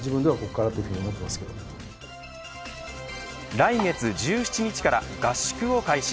来月１７日から合宿を開始。